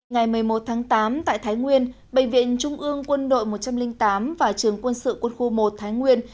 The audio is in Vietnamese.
ngày một mươi một tháng tám tại thái nguyên bệnh viện trung ương quân đội một trăm linh tám và trường quân sự quân khu một thái nguyên